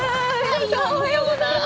おはようございます。